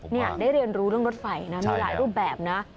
นี่ได้เรียนรู้เรื่องรถไฟนะมีหลายรูปแบบนะ